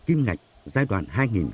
kim ngạch giai đoạn